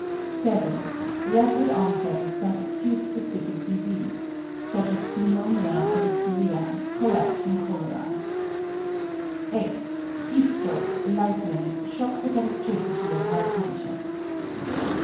7. Rapid onset of some acute specific disease, such as pneumonia or diphtheria; collapse from cholera. 8. Heat stroke, lightning, shocks of electricity of high tension.